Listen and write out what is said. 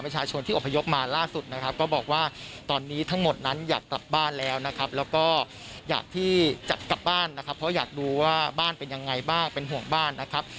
จะกลับบ้านนะครับเพราะอยากดูว่าบ้านเป็นยังไงบ้างเป็นห่วงบ้านนะครับ